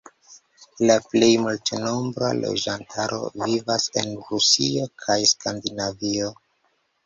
La plej multnombra loĝantaro vivas en Rusio kaj Skandinavio.